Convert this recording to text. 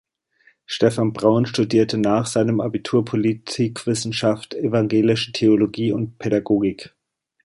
Stephan Braun studierte nach seinem Abitur Politikwissenschaft, evangelische Theologie und Pädagogik.